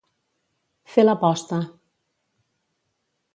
Fer la posta.